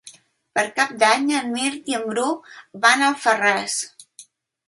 Per Cap d'Any en Mirt i en Bru van a Alfarràs.